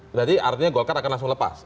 berarti artinya golkar akan langsung lepas